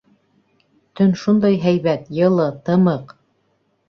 Төн шундай һәйбәт, йылы, тымыҡ.